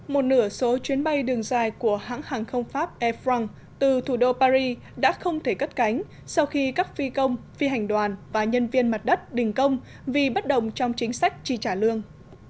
một nửa số chuyến bay đường dài của hãng hàng không pháp air france từ thủ đô paris đã không thể cất cánh sau khi các phi công phi hành đoàn và nhân viên mặt đất đình công vì bất đồng trong chính sách tri trả lương